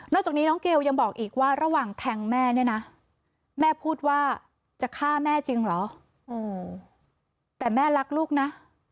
นอกจากนี้น้องเกวบอกภาวะหว่างแทงให้แม่นะ